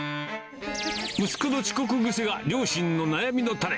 息子の遅刻癖が両親の悩みの種。